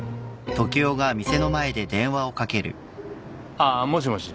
あーもしもし。